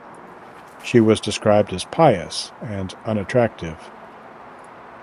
She was described as pious and unattractive.